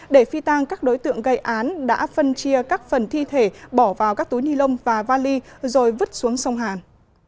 để phi tan các đối tượng gây án đã phân chia các phần thi thể bỏ vào các túi ni lông và vali rồi vứt xuống sông hàn